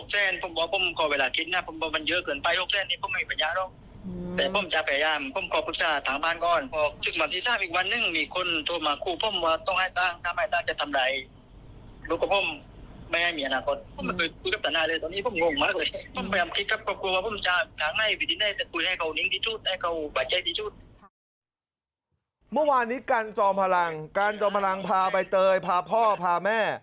เหมือนในนี้จ้ามพลังการจอมพลังพาไปเตยพาพ่อของแม่